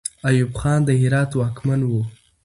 ایوب خان د هرات واکمن وو.